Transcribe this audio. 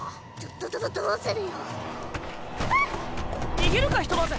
逃げるかひとまず。